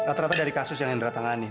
rata rata dari kasus yang hendra tangani